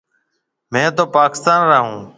مهيَ تو پاڪستان را هون۔